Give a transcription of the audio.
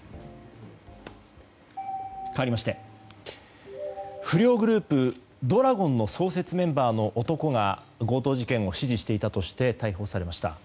かわりまして不良グループ、怒羅権の創設メンバーの男が強盗事件を指示していたとして逮捕されました。